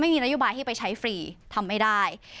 ไม่มีนโยบายให้ไปใช้ฟรีทำไม่ได้